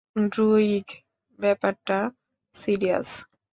Druig ব্যাপারটা serious.